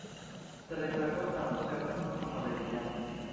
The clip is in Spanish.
Se destacó, tanto de bueno como de villano.